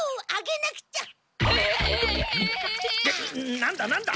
なんだなんだ？